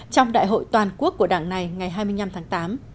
trong đại hội toàn quốc của đảng này ngày hai mươi năm tháng tám